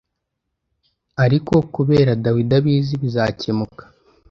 l ariko kubera dawidi abizi bizakemuka